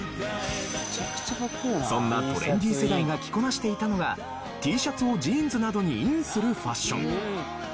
そんなトレンディ世代が着こなしていたのがＴシャツをジーンズなどにインするファッション。